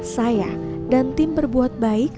saya dan tim berbuat baik